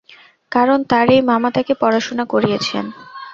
কারণ তার এই মামা তাকে পড়াশোনা করিয়েছেন।